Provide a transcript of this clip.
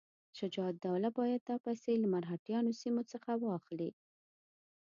شجاع الدوله باید دا پیسې له مرهټیانو سیمو څخه واخلي.